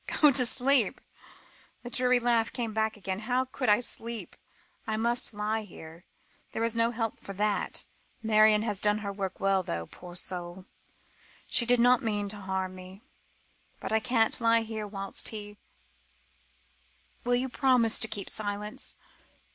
"Go to sleep?" The dreary laugh came again. "How could I sleep? I must lie here; there is no help for that. Marion has done her work well, though, poor soul! she did not mean to harm me. But I can't lie here whilst he you will promise to keep silence?"